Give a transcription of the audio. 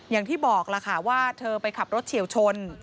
อย่างที่บอกล่ะค่ะว่าเธอไปขับรถเฉียวชน